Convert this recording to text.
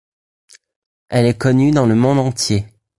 Elle est connue dans le monde entier.